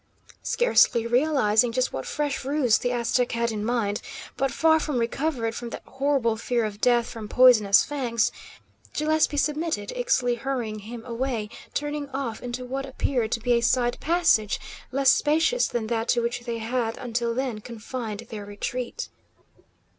Scarcely realising just what fresh ruse the Aztec had in mind, but far from recovered from that horrible fear of death from poisonous fangs, Gillespie submitted, Ixtli hurrying him away, turning off into what appeared to be a side passage, less spacious than that to which they had until then confined their retreat.